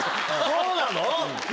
そうなの？